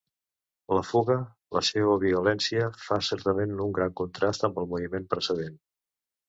La fuga, la seua violència, fa certament un gran contrast amb el moviment precedent.